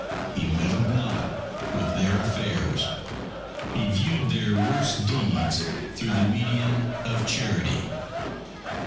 He meddled not with their affairs. He viewed their worst deeds through the medium of charity."